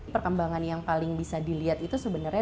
perkembangan yang paling bisa dilihat itu sebenarnya